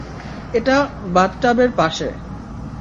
এটা বাথটাবের পাশে।